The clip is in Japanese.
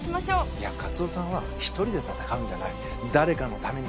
いやカツオさんは一人で戦うんじゃない誰かのために。